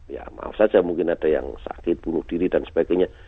ya maaf saja mungkin ada yang sakit bunuh diri dan sebagainya